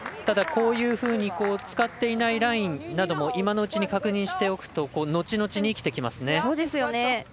ただ、こういうふうに使っていないラインなども今のうちに確認しておくと後々に生きてきますね。